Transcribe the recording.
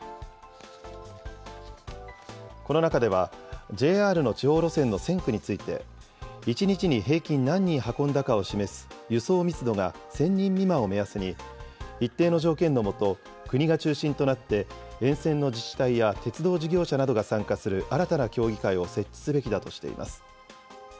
この中では、ＪＲの地方路線の線区について、１日に平均何人運んだかを示す輸送密度が１０００人未満を目安に、一定の条件の下、国が中心となって沿線の自治体や鉄道事業者などが参加する新たな協議会を設置すべきだとしています。